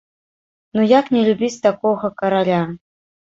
Ну як не любіць такога караля?!